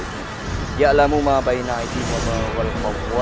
super cobaan berguna